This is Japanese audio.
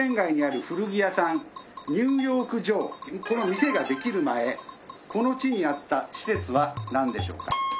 この店ができる前この地にあった施設はなんでしょうか？